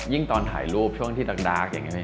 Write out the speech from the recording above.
ยิ่งตอนถ่ายรูปช่วงที่ดัก